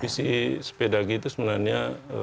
visi spedagi itu sebenarnya